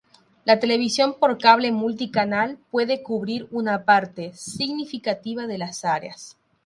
La televisión por cable multicanal puede cubrir una parte significativa de las áreas.